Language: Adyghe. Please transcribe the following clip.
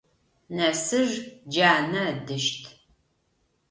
Нэсыж джанэ ыдыщт.